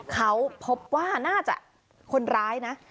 เขาพบว่าน่าจะคนร้ายนะ